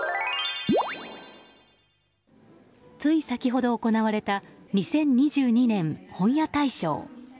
つい先ほど行われた２０２２年本屋大賞。